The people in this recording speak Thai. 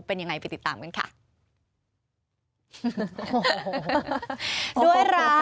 เป็นยังไงไปติดตามกันค่ะ